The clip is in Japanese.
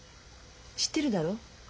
知ってるだろ。